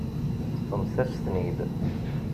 Teṭṭfemt-as-ten-id.